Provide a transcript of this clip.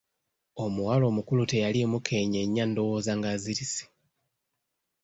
Omuwala omukulu teyaliimu keenyeenya ndowooza ng’azirise.